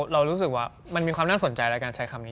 เรารู้สึกว่ามันมีความน่าสนใจในการใช้คำนี้